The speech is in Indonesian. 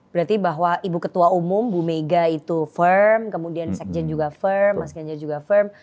berarti bahwa ibu ketua umum bu mega itu firm kemudian sekjen juga fir mas ganjar juga firm